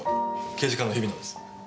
刑事課の日比野です。